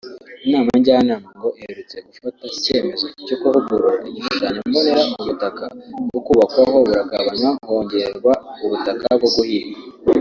Inama njyanama ngo iherutse gufata icyemezo cyo kuvugurura igishushanyombonera ubutaka bwo kubakwaho buragabanywa hongerwa ubutaka bwo guhinga